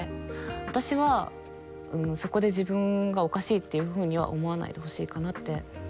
私はそこで自分がおかしいっていうふうには思わないでほしいかなって思う。